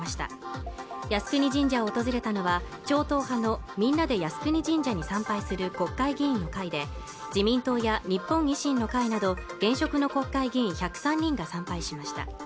国会議員１０３人がそろって靖国神社を参拝しました靖国神社を訪れたのは超党派のみんなで靖国神社に参拝する国会議員の会で自民党や日本維新の会など現職の国会議員１０３人が参拝しました